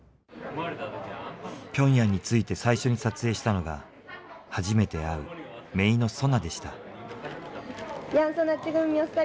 ピョンヤンに着いて最初に撮影したのが初めて会う姪のソナでした。